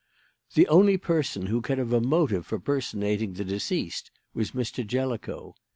"The only person who could have a motive for personating the deceased was Mr. Jellicoe.